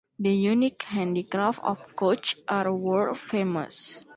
The unique handicrafts of Kutch are world famous.